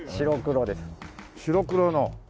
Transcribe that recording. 白黒の。